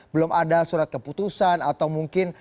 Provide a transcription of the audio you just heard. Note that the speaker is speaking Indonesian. belum ada surat keputusan atau mungkin